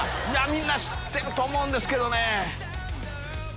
みんな知ってると思うんですけど。